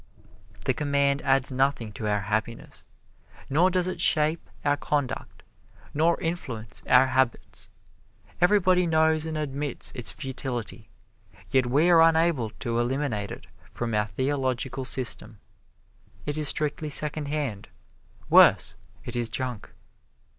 The command adds nothing to our happiness, nor does it shape our conduct, nor influence our habits. Everybody knows and admits its futility, yet we are unable to eliminate it from our theological system. It is strictly secondhand worse, it is junk.